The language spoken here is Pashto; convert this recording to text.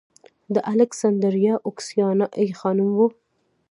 د الکسندریه اوکسیانا ای خانم و